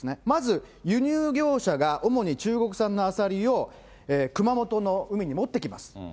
まず、輸入業者が主に中国産のアサリを熊本の海に持ってきます。